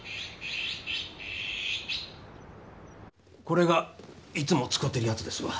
これがいつも使てるやつですわ。